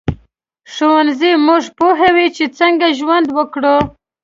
ښوونځی موږ پوهوي چې څنګه ژوند وکړو